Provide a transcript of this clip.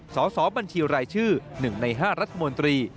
สอบบัญชีรายชื่อ๑ใน๕รัฐมนตรี